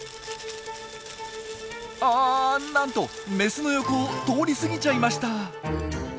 ああなんとメスの横を通り過ぎちゃいました。